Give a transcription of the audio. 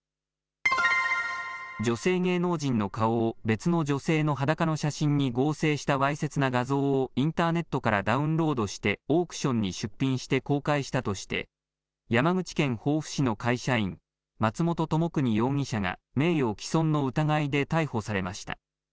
女性芸能人の顔を別の女性の裸の写真に合成したわいせつな画像をインターネットからダウンロードして、オークションに出品して公開したとして、山口県防府市の会社員、松本知邦容疑者が、名誉毀損の疑いで逮捕されました。